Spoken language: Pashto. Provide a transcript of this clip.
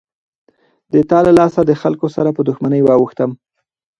د تا له لاسه دخلکو سره په دښمنۍ واوښتم.